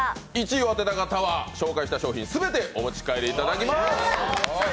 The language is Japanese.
１位を当てた方は紹介した商品全てお持ち帰りいただきます。